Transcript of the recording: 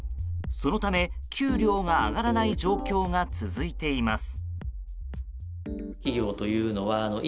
そのため給料が上がらない状況が続いています。